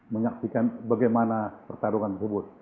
menyaksikan bagaimana pertarungan tersebut